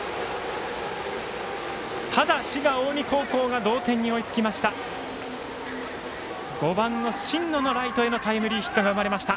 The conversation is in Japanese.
ただ、滋賀・近江高校が同点に追いつきました。